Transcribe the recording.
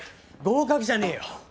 「合格」じゃねえよ！